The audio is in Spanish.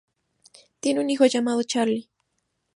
Tienen un hijo llamado Charlie.